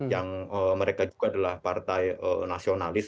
yang mereka juga adalah partai nasionalis